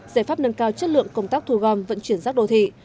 giải pháp nâng cao chất lượng công tác thu gom vận chuyển rác đô thị